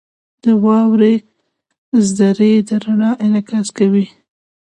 • د واورې ذرې د رڼا انعکاس کوي.